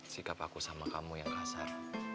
sikap aku sama kamu yang kasar